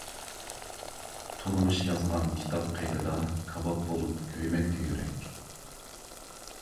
تۇرمۇش يازغان كىتاب قېتىدا، كاۋاپ بولۇپ كۆيمەكتە يۈرەك.